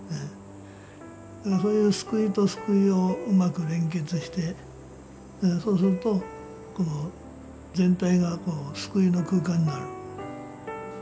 そういう救いと救いをうまく連結してそうすると全体が救いの空間になる。